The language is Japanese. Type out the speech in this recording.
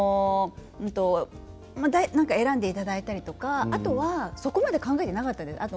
大体選んでいただいたりとかあとはそこまで考えていなかったです。